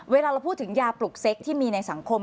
เวลาเราพูดถึงยาปลุกเซ็กที่มีในสังคม